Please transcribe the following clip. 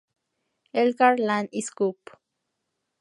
Elkar-Lan S. Coop.